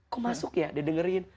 kok masuk ya didengerin